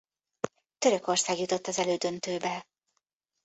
Törökország jutott az elődöntőbe.